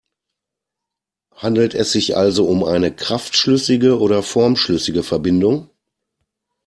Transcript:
Handelt es sich also um eine kraftschlüssige oder formschlüssige Verbindung?